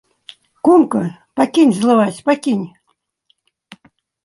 Кумка, пакінь злаваць, пакінь.